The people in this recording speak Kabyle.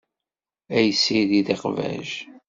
Ad yessired iqbac.